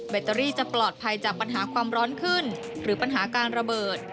เตอรี่จะปลอดภัยจากปัญหาความร้อนขึ้นหรือปัญหาการระเบิด